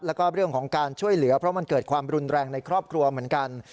แล้วก็เรื่องของการช่วยเหลือเพราะมันเกิดความรุนแรงในครอบครัวเหมือนกัน